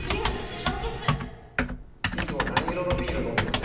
「氷結」いつも何色のビール飲んでます？